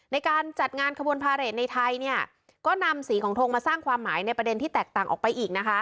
ในการจัดงานขบวนพาเรทในไทยเนี่ยก็นำสีของทงมาสร้างความหมายในประเด็นที่แตกต่างออกไปอีกนะคะ